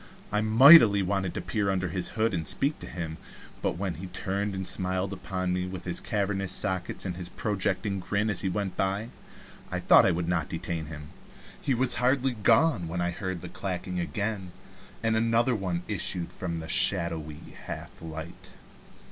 I mightily wanted, to peer under his hood and speak to him, but when he turned and smiled upon me with his cavernous sockets and his projecting grin as he went by, I thought I would not detain him. He was hardly gone when I heard the clacking again, and another one issued from the shadowy half light.